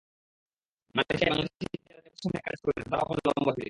মালয়েশিয়ায় বাংলাদেশি যারা চীনা প্রতিষ্ঠানে কাজ করেন তারও পান লম্বা ছুটি।